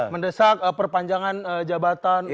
mendesak perpanjangan jabatan